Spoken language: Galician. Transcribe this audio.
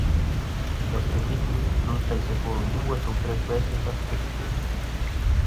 Esquecinme, non sei se foron dúas ou tres veces as que toquei.